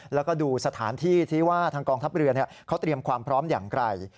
แล้วก็ดูสถานที่ที่ว่าทางกองทัพเรือเขาเตรียมความพร้อมอย่างไร